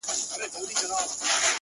ستا د رخسار خبري ډيري ښې دي،